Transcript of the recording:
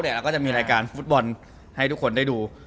เราก็จะมีรายการฟุตบอลให้ทุกคนได้ดู